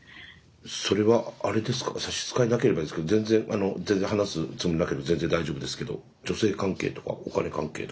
それはあれですか差し支えなければですけど全然あの全然話すつもりなければ全然大丈夫ですけど女性関係とかお金関係とか。